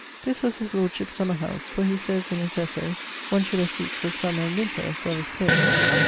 This was his lordship's summer howse: for he sayes (in his essay) one should have seates for summer and winter as well as cloathes.